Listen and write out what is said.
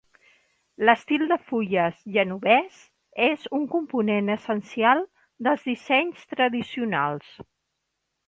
L'estil de fulles genovès és un component essencial dels dissenys tradicionals.